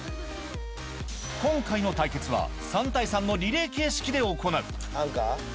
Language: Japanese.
今回の対決は、３対３のリレー形式で行う。